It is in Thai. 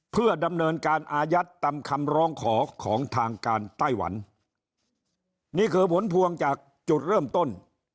เพื่อดำเนินการอายัดตามคำร้องขอของทางการไต้หวันนี่คือผลพวงจากจุดเริ่มต้น